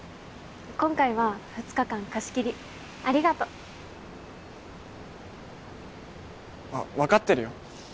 今回は２日間貸し切りありがとう。わ分かってるよ。